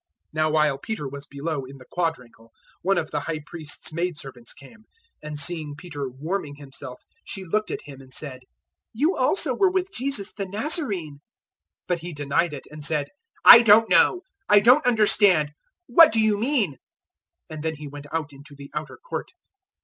014:066 Now while Peter was below in the quadrangle, one of the High Priest's maidservants came, 014:067 and seeing Peter warming himself she looked at him and said, "You also were with Jesus, the Nazarene." 014:068 But he denied it, and said, "I don't know I don't understand What do you mean?" And then he went out into the outer court.